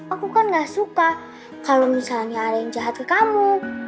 aku kan gak suka kalau misalnya ada yang jahat ke kamu